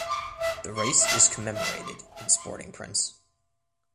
The race is commemorated in sporting prints.